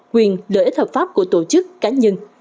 quyền lợi ích hợp pháp của tổ chức cá nhân